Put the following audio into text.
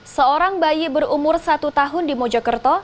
seorang bayi berumur satu tahun di mojokerto